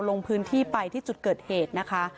ลงพื้นที่ไปที่จุดเกิดเหตุนะคะ